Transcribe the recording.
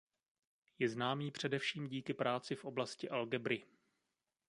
Je známý především díky práci v oblasti algebry.